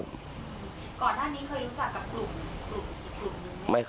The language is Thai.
ก่อนหน้านี้เคยรู้จักกับกลุ่มอีกกลุ่มหนึ่งไหมครับ